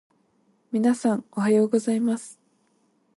皆さん、おはようございます。